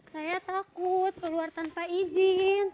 saya takut keluar tanpa izin